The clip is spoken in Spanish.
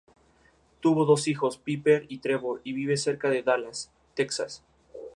Tuvo dos hijos, Piper y Trevor y vive cerca de Dallas, Texas.